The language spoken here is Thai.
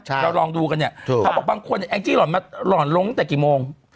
เราลองดูกันเนี่ยเขาบอกบางคนแองจี้หล่อนมาหล่อนลงตั้งแต่กี่โมง